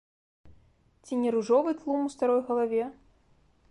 Ці не ружовы тлум у старой галаве?